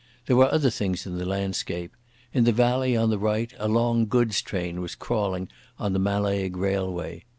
There were other things in the landscape. In the valley on the right a long goods train was crawling on the Mallaig railway.